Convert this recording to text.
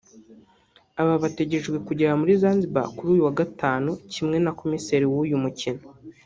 Aba bategerejwe kugera muri Zanzibar kuri uyu wa Gatanu kimwe na komiseri w’uyu mukino